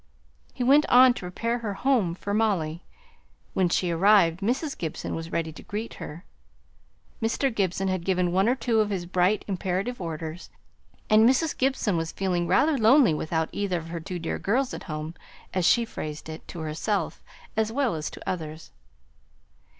He went on to prepare her home for Molly: when she arrived Mrs. Gibson was ready to greet her. Mr. Gibson had given one or two of his bright, imperative orders, and Mrs. Gibson was feeling rather lonely "without either of her two dear girls at home," as she phrased it, to herself as well as to others.